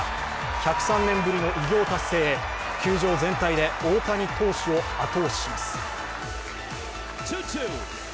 １０３年ぶりの偉業達成へ、球場全体で大谷投手を後押しします。